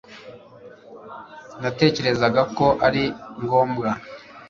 Sinatekerezaga ko ari ngombwa